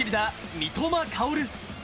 三笘薫。